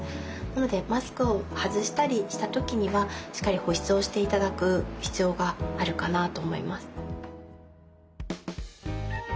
なのでマスクを外したりした時にはしっかり保湿をして頂く必要があるかなと思います。